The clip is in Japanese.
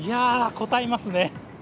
こたえますね。